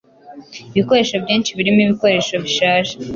ibikoresho byinshi birimo ibikoresho bishaje